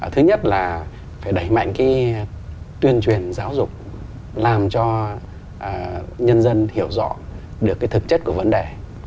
thứ nhất là phải đẩy mạnh cái tuyên truyền giáo dục làm cho nhân dân hiểu rõ được cái thực chất của vấn đề